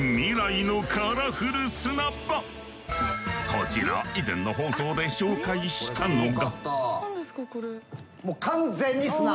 こちら以前の放送で紹介したのが。